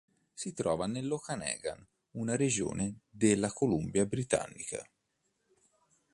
Si trova nell'Okanagan, una regione della Columbia Britannica.